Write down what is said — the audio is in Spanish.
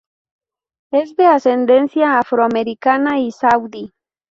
Es de ascendencia afroamericana y saudí.